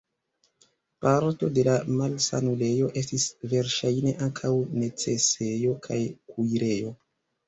Parto de la malsanulejo estis verŝajne ankaŭ necesejo kaj kuirejo.